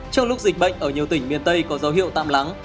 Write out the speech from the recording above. trong lúc dịch bệnh ở nhiều tỉnh miền tây có dấu hiệu tạm lắng